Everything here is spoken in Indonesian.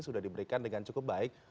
sudah diberikan dengan cukup baik